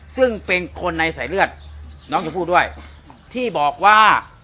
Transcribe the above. ซึ่งเป็นคนในสายเลือดน้องชมพู่ด้วยที่บอกว่า